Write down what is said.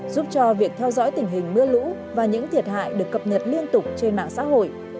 giúp cho việc theo dõi tình hình mưa lũ và những thiệt hại được cập nhật liên tục trên mạng xã hội